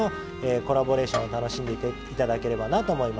コラボレーションを楽しんで頂ければなと思います。